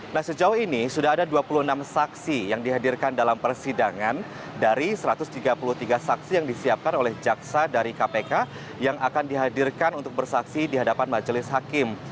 nah sejauh ini sudah ada dua puluh enam saksi yang dihadirkan dalam persidangan dari satu ratus tiga puluh tiga saksi yang disiapkan oleh jaksa dari kpk yang akan dihadirkan untuk bersaksi di hadapan majelis hakim